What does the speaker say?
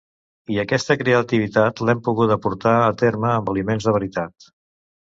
I aquesta creativitat l'hem poguda portar a terme amb aliments de veritat.